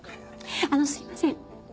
あのすいません。